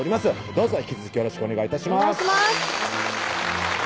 どうぞ引き続きよろしくお願い致します